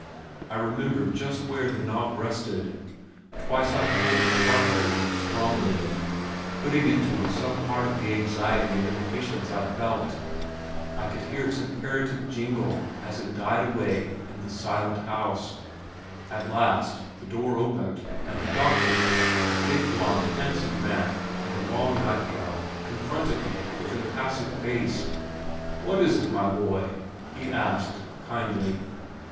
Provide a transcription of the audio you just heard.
I remembered just where the knob rested. Twice I pulled sharply, strongly, putting into it some part of the anxiety and impatience I felt. I could hear its imperative jingle as it died away in the silent house. At last the door opened and the doctor, a big blonde handsome man in a long night gown, confronted me with impassive face. "What is it, my boy?" he asked kindly.